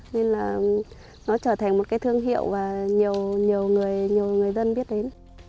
nên là nó trở thành một cái thương hiệu và nhiều người dân biết đến